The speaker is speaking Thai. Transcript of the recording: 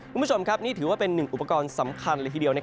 คุณผู้ชมครับนี่ถือว่าเป็นหนึ่งอุปกรณ์สำคัญเลยทีเดียว